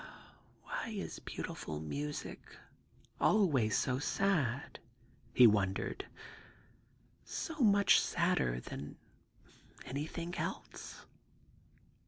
* Why is beautiful music always so sad ?' he wondered ;^ so much sadder than anything else